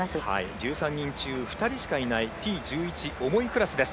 １３人中２人しかいないＴ１１重いクラスです。